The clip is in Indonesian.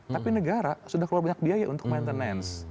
tapi negara sudah keluar banyak biaya untuk maintenance